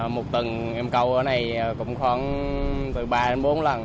một tầng em câu ở này cũng khoảng từ ba đến bốn